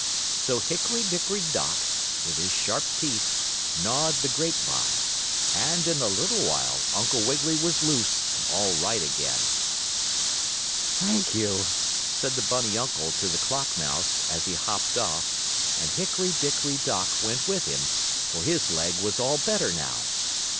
So Hickory Dickory Dock, with his sharp teeth, gnawed the grape vine, and, in a little while, Uncle Wiggily was loose and all right again. "Thank you," said the bunny uncle to the clock mouse, as he hopped off, and Hickory Dickory Dock went with him, for his leg was all better now.